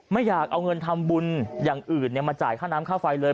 ไม่อยากเอาเงินทำบุญอย่างอื่นมาจ่ายค่าน้ำค่าไฟเลย